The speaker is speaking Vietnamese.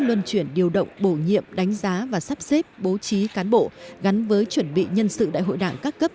luân chuyển điều động bổ nhiệm đánh giá và sắp xếp bố trí cán bộ gắn với chuẩn bị nhân sự đại hội đảng các cấp